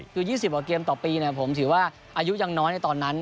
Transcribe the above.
คือ๒๐กว่าเกมต่อปีผมถือว่าอายุยังน้อยในตอนนั้น